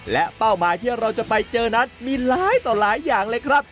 และเป้าหมายที่เราจะไปเจอนั้นมีหลายต่อหลายอย่างเลยครับ